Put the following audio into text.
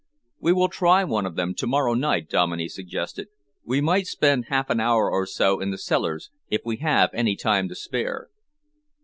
"We will try one of them to morrow night," Dominey suggested. "We might spend half an hour or so in the cellars, if we have any time to spare."